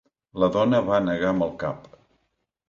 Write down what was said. La dona va negar amb el cap.